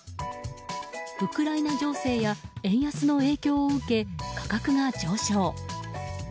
ウクライナ情勢や円安の影響を受け、価格が上昇。